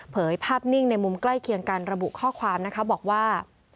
ภาพนิ่งในมุมใกล้เคียงกันระบุข้อความนะคะบอกว่า